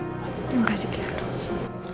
terima kasih banyak dok